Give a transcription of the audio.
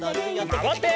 まわって！